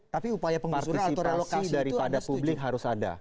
tapi upaya penggusuran atau relokasi itu harus ada